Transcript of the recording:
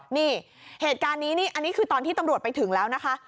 นี่เหตุการณ์นี้นี่อันนี้คือตอนที่ตำรวจไปถึงแล้วนะคะ